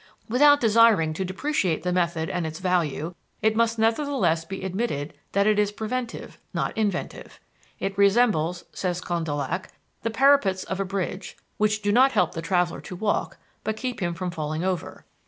Without desiring to depreciate the method and its value, it must nevertheless be admitted that it is preventive, not inventive. It resembles, says Condillac, the parapets of a bridge, which do not help the traveler to walk, but keep him from falling over.